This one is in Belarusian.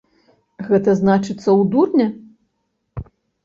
Гэта, значыцца, у дурня?